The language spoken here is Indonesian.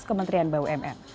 kepala kementerian bumn